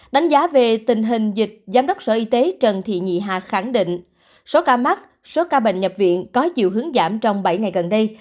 đánh giá về tình hình dịch giám đốc sở y tế trần thị nhị hà khẳng định số ca mắc số ca bệnh nhập viện có chiều hướng giảm trong bảy ngày gần đây